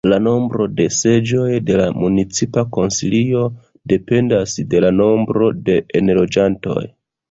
La nombro de seĝoj de la municipa Konsilio dependas de la nombro de enloĝantoj.